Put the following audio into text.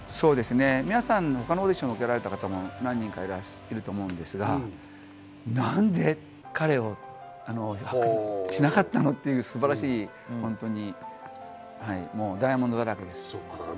皆さん他のオーディション受けられた方も何人かいると思うんですが、何で彼を発掘しなかったの？っていう素晴らしい、ダイヤモンドだらけです。